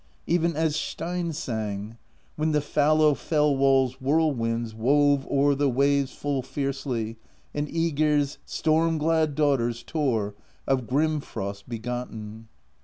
Even as Steinn sang: When the fallow fell walPs Whirlwinds Wove o'er the waves full fiercely, And iEgir's storm glad daughters Tore, of grim frost begotten.